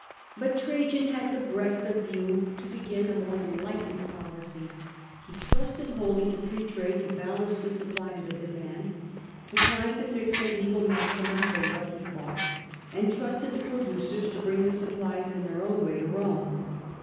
But Trajan had the breadth of view to begin a more enlight ened policy. He trusted wholly to free trade to balance the supply and the demand, declined to fix a legal maxi mum for what hebought, and trusted the producers to bring the supplies in their own way to Rome.